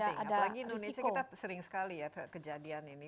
apalagi indonesia kita sering sekali ya kejadian ini